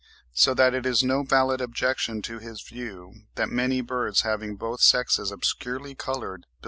so that it is no valid objection to his view that many birds having both sexes obscurely coloured build concealed nests.